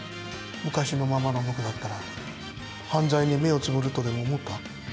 昔のままの僕だったら犯罪に目をつぶるとでも思った？